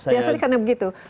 biasanya karena begitu